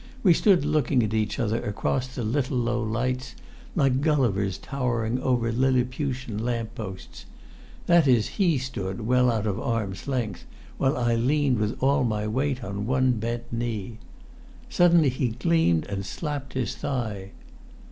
We stood looking at each other across the little low lights, like Gullivers towering over Lilliputian lamp posts; that is, he stood, well out of arm's length, while I leant with all my weight on one bent knee. Suddenly he gleamed and slapped his thigh.